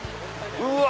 うわ！